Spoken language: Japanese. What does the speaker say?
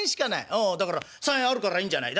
「おうだから３円あるからいいんじゃない。